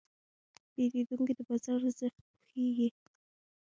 پیرودونکی د باور ارزښت پوهېږي.